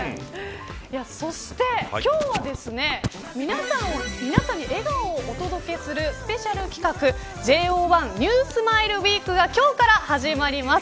そして今日は、皆さんに笑顔をお届けするスペシャル企画ＪＯ１ＮＥＷＳｍｉｌｅＷｅｅｋが今日から始まります。